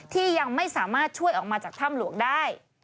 ที่ยังไม่สามารถช่วยออกมาจากถ้ำหลวงได้